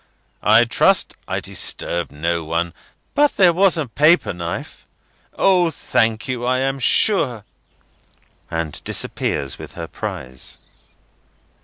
I trust I disturb no one; but there was a paper knife—O, thank you, I am sure!" and disappears with her prize.